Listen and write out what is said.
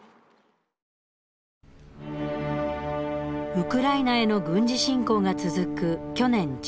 ウクライナへの軍事侵攻が続く去年１２月。